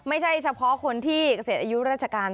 ไม่ใช่เฉพาะคนที่เกษียณอายุราชการ